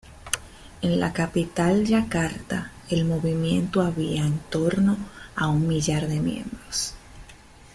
En la capital Yakarta, el movimiento había en torno a un millar de miembros.